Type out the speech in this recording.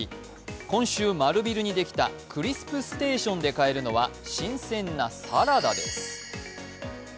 今週、丸ビルにできたクリスプステーションで買えるのは新鮮なサラダです。